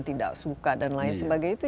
tidak suka dan lain sebagainya